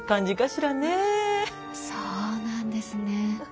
そうなんですね。